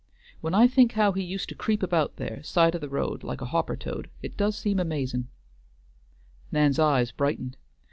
When I think how he used to creep about there, side of the road, like a hopper toad, it does seem amazin'!" Nan's eyes brightened.